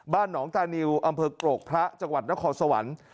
หนองตานิวอำเภอกรกพระจังหวัดนครสวรรค์